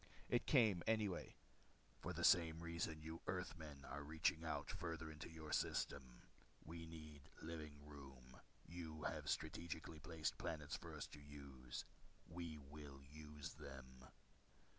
It came anyway. "For the same reason you Earthmen are reaching out farther into your system. We need living room. You have strategically placed planets for our use. We will use them."